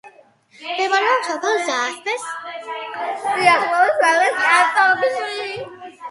მდებარეობს სოფელ ზაას-ფეეს სიახლოვეს, ვალეს კანტონში.